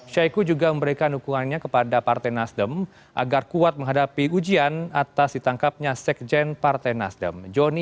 syeku juga memberikan hukumannya kepada partai nasdem agar kuat menghadapi ujian atas ditangkapnya zekjen partai nasdem